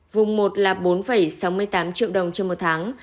vùng một là bốn sáu mươi tám triệu đồng trên một tháng